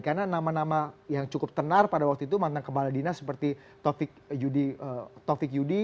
karena nama nama yang cukup tenar pada waktu itu mantan kepala dinas seperti taufik yudi